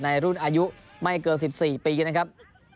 รุ่นอายุไม่เกิน๑๔ปีนะครับ